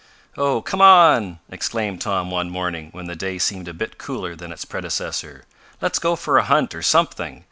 "Oh, come on!" exclaimed Tom one morning, when the day seemed a bit cooler than its predecessor. "Let's go for a hunt, or something!